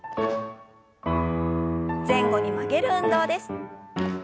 前後に曲げる運動です。